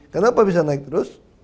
kenapa bisa naik terus